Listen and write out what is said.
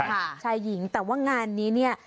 ชายหญิงแต่ว่างานนี้เนี่ย